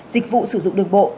dịch vụ sử dụng đường bộ